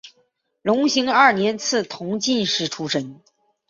隆兴二年赐同进士出身。